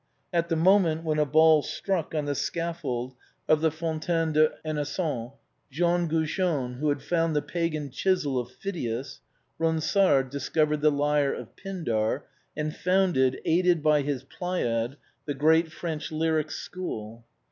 At the moment w^lien a ball struck on the scaffold of the Fontaine des Innocents Jean Goujon who had found the Pagan chisel of Phidias, Ronsard discovered the lyre of Pindar and founded, aided by his pleiad, the great French lyric school.